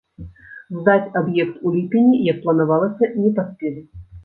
Здаць аб'ект у ліпені, як планавалася, не паспелі.